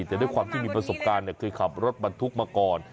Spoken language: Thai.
แต่ด้วยความที่มีประสบการณ์คือขับรถบรรทุกมาก่อน